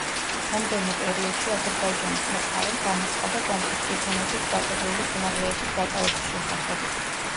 მომდევნო პერიოდში აზერბაიჯანის მხარემ განაცხადა კონფლიქტის ზონაში სტრატეგიული სიმაღლეების დაკავების შესახებ.